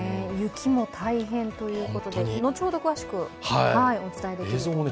雪も大変ということで後ほど詳しくお伝えします